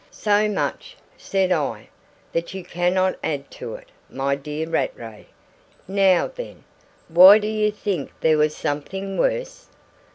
"So much," said I, "that you cannot add to it, my dear Rattray. Now, then! Why do you think there was something worse?"